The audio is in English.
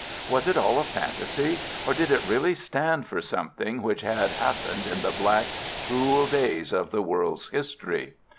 Was it all a fantasy, or did it really stand for something which had happened in the black, cruel days of the world's history?